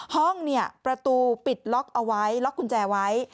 ห้องเนี่ยประตูปิดล็อกเอาไว้ล็อกกุญแจไว้